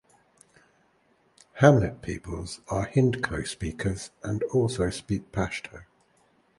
Hamlet Peoples Are Hindko Speakers And Also Speak Pashto.